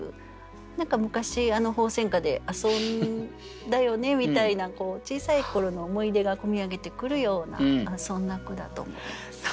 何か昔あの鳳仙花で遊んだよねみたいな小さい頃の思い出が込み上げてくるようなそんな句だと思います。